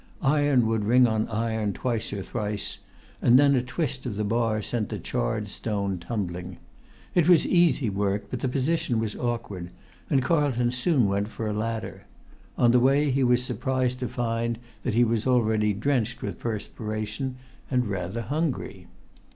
Iron would ring on iron twice or thrice, and then a twist of the bar send the charred stone tumbling. It was easy work, but the position was awkward, and Carlton soon went for a ladder; on the way he was surprised to find that he was already drenched with perspiration, and rather hungry.